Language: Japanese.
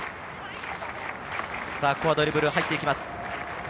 ここはドリブルが入っていきます。